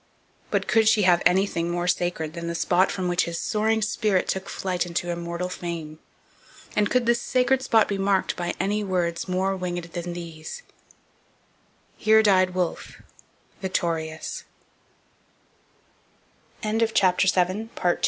But could she have anything more sacred than the spot from which his soaring spirit took its flight into immortal fame? And could this sacred spot be marked by any words more winged than these: HERE DIED WOLFE VICTORIOUS CHAPTER VIII EPILOGUE THE LAST STAND Wolfe's vict